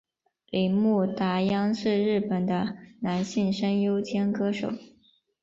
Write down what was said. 铃木达央是日本的男性声优兼歌手。